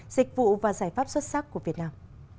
dịch vụ và giải pháp xuất sắc của việt nam